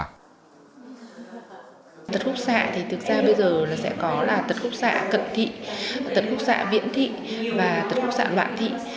tật khúc xạ thì thực ra bây giờ là sẽ có là tật khúc xạ cận thị tật khúc xạ viễn thị và tật khúc xạ loạn thị